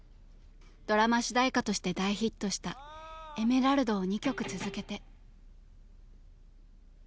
ドラマ主題歌として大ヒットした「エメラルド」を２曲続けて。